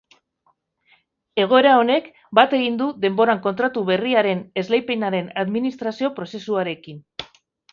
Egoera honek bat egin du denboran kontratu berriaren esleipenaren administrazio-prozesuarekin.